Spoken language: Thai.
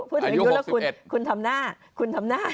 พูดถึงอายุแล้วคุณทำหน้า